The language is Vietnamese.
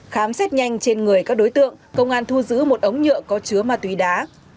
khám xét nhanh trên người các đối tượng công an thu giữ một ống nhựa có chứa ma túy đá